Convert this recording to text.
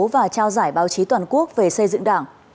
và trao giải báo chí toàn quốc về xây dựng đảng